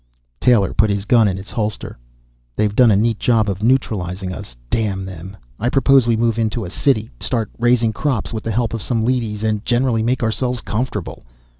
Taylor put his gun in its holster. "They've done a neat job of neutralizing us, damn them. I propose we move into a city, start raising crops with the help of some leadys, and generally make ourselves comfortable."